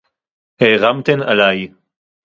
הֶעֱרַמְתֶּן עָלַי